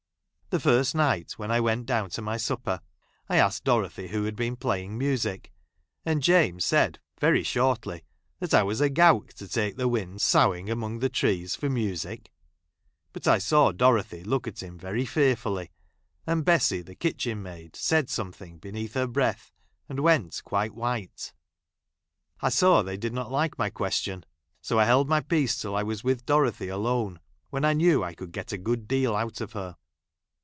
The first ji night, when I went down to my supper, I '! asked Dorothy who had been jilaying music, ! and James said very shortly that I was a 1 gowk to take the wind soughing among the j ti'ees for music ; but I saw Dorothy look at I him very fearfolly, and Bessy, the kitchen ; i maid, said something beneath her breath, and went quite white. I saw they did not like I my que stion, so I held my peace till I was with Dorothy alone, when I knew I could get a good deal out of her.